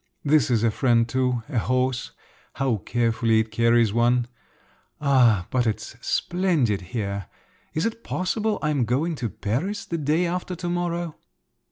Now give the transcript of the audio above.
This is a friend too—a horse. How carefully it carries one! Ah, but it's splendid here! Is it possible I am going to Paris the day after to morrow?"